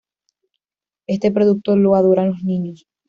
Este producto lo adoran los niños.